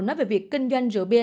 nói về việc kinh doanh rượu bia